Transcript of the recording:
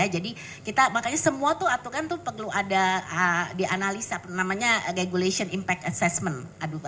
jadinya harapan kami juga pemerintah